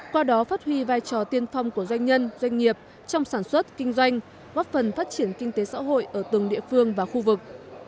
qua đó phát huy vai trò tiên phong của doanh nhân doanh nghiệp trong sản xuất kinh doanh góp phần phát triển kinh tế xã hội ở từng địa phương và khu vực